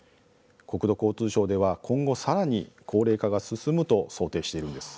国土交通省では今後さらに高齢化が進むと想定しているんです。